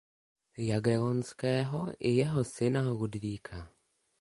Jagellonského i jeho syna Ludvíka.